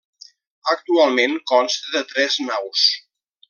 Actualment consta de tres naus.